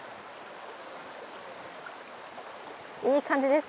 いい感じです！